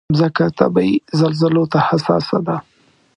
مځکه طبعي زلزلو ته حساسه ده.